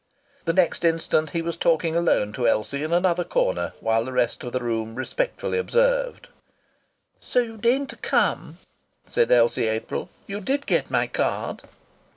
The next instant he was talking alone to Elsie in another corner while the rest of the room respectfully observed. "So you deigned to come!" said Elsie April. "You did get my card."